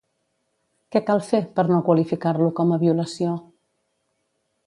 Què cal fer per no qualificar-lo com a violació?